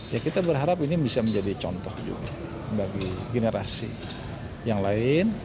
ya kita berharap ini bisa menjadi contoh juga bagi generasi yang lain